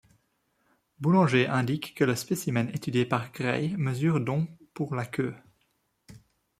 Boulenger indique que le spécimen étudié par Gray mesure dont pour la queue.